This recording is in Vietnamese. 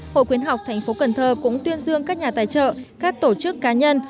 hội khuyến học tp cn cũng tuyên dương các nhà tài trợ các tổ chức cá nhân